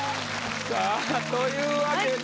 さぁというわけで。